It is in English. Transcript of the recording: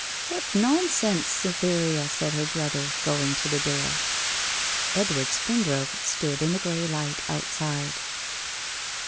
'What nonsense, Cytherea!' said her brother, going to the door. Edward Springrove stood in the grey light outside.